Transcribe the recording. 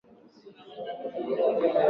Aliongea maneno machafu.